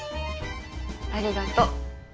ありがとう。